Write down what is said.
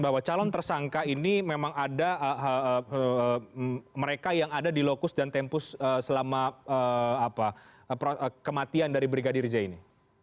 bahwa calon tersangka ini memang ada mereka yang ada di lokus dan tempus selama kematian dari brigadir j ini